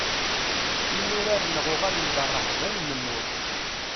Inurar-nneɣ uɣalen d rreḥba n umennuɣ.